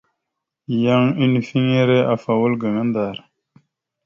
Yan unifiŋere afa wal gaŋa ndar.